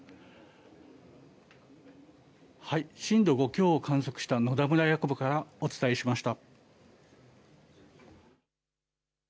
震度５強を観測した野田村役場からお伝えしました。